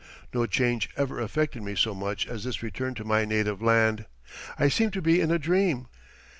No change ever affected me so much as this return to my native land. I seemed to be in a dream.